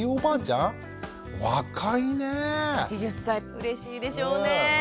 うれしいでしょうね。